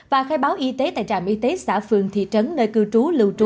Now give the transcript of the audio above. và khai báo y tế tại trạm y tế xã phường thị trấn nơi cư trú lưu trú